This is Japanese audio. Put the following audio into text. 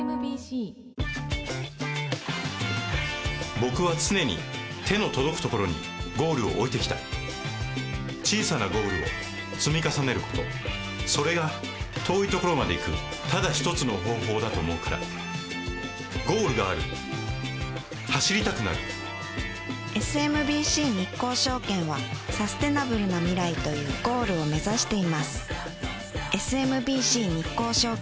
僕は常に手の届くところにゴールを置いてきた小さなゴールを積み重ねることそれが遠いところまで行くただ一つの方法だと思うからゴールがある走りたくなるＳＭＢＣ日興証券はサステナブルな未来というゴールを目指していますＳＭＢＣ日興証券